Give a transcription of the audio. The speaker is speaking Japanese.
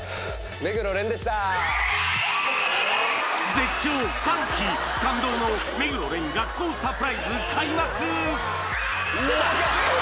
絶叫歓喜感動の目黒蓮学校サプライズ開幕